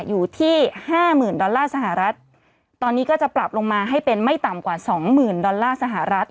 อยู่ที่๕๐๐๐๐๐สหรัฐตอนนี้ก็จะปรับลงมาไม่ต่ำกว่า๒๐๐๐๐สหรัฐ